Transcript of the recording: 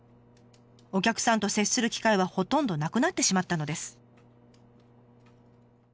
お客さんと接する機会はほとんどなくなってしまったのです。